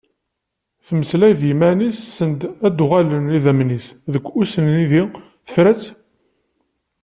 Temmeslay d yimman-is send a d-uɣalen idammen-is deg usnidi, tefra-tt…